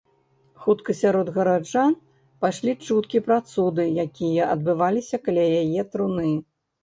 Хутка сярод гараджан пайшлі чуткі пра цуды, якія адбываліся каля яе труны.